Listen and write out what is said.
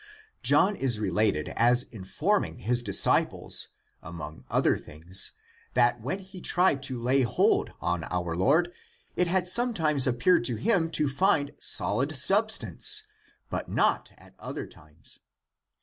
John is related as in forming his disciples among other things that when he tried to lay hold on our Lord it had sometimes appeared to him to find solid substance, but not at other times.